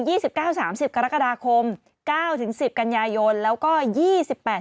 สิบเก้าสามสิบกรกฎาคมเก้าถึงสิบกันยายนแล้วก็ยี่สิบแปด